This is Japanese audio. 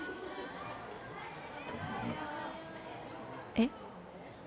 えっ？